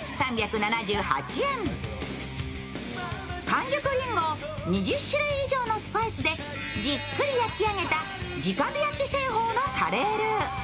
完熟りんごを２０種類以上のスパイスでじっくり焼き上げた直火焼製法のカレールー。